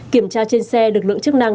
kiểm tra trên xe lực lượng chức năng